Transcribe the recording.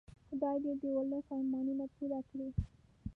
خدای دې د ولس ارمانونه پوره کړي.